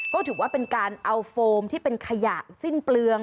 ก็ถือว่าเป็นการเอาโฟมที่เป็นขยะสิ้นเปลือง